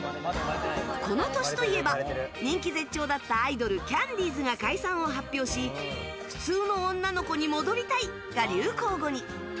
この年といえば人気絶頂だったアイドルキャンディーズが解散を発表し「普通の女の子に戻りたい」が流行語に！